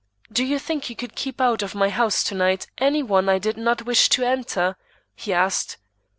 "Do you think you could keep out of my house to night, any one I did not wish to enter?" he asked.